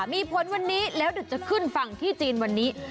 มีผลวันนี้แล้วเดี๋ยวจะขึ้นฝั่งที่จีนวันนี้